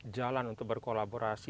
jalan untuk berkolaborasi